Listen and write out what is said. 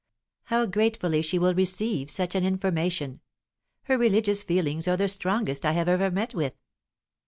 "How gratefully she will receive such an information; her religious feelings are the strongest I have ever met with."